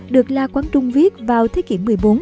được la quán trung viết vào thế kỷ một mươi bốn